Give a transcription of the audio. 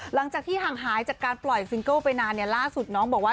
หลังจากที่ห่างหายจากการปล่อยซิงเกิลไปนานเนี่ยล่าสุดน้องบอกว่า